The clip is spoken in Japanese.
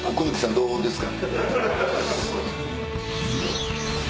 どうですか？